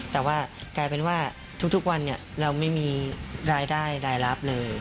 แต่ว่ากลายเป็นว่าทุกวันเราไม่มีรายได้รายรับเลย